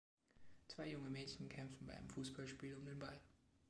Zwei junge Mädchen kämpfen bei einem Fußballspiel um den Ball.